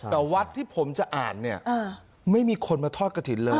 แต่วัดที่ผมจะอ่านเนี่ยไม่มีคนมาทอดกระถิ่นเลย